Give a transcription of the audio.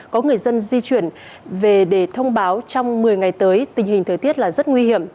các tỉnh di chuyển về để thông báo trong một mươi ngày tới tình hình thời tiết là rất nguy hiểm